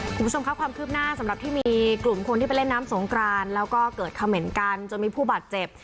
คุณผู้ชมครับความคืบหน้าสำหรับที่มีกลุ่มคนที่ไปเล่นน้ำสงกรานแล้วก็เกิดเขม่นกันจนมีผู้บาดเจ็บ